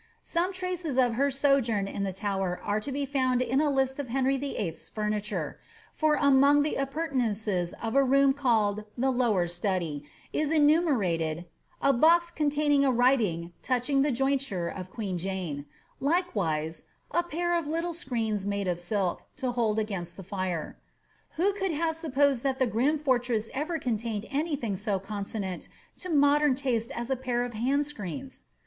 Some traces of her sojourn in the Tower are to be found in a list of Henry Vlll.th's furniture ; for among the appur tfnances of a room called the Lower Study, is enumerated ^ a box con tiining a writing touching the jointure of queen Jane ;" likewise ^^ a pair of little screens made of silk, to hold against the fire.'' Who could have supposed that the grim fortress ever contained any thing so conso nant to modern taste as a pair of hand screens